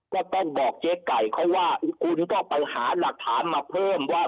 ก็ต้องบอกเจ๊ไก่เขาว่าคุณก็ไปหาหลักฐานมาเพิ่มว่า